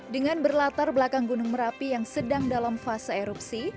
dengan berlatar belakang gunung merapi yang sedang dalam fase erupsi